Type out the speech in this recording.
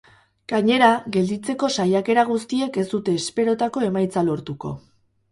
Gainera, gelditzeko saiakera guztiek ez dute esperotako emaitza lortuko.